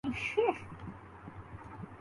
میرا خیال ہے پرانی شاعری ساری پبلک ڈومین میں ہے